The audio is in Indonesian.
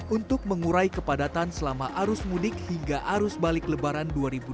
untuk mengurai kepadatan selama arus mudik hingga arus balik lebaran dua ribu dua puluh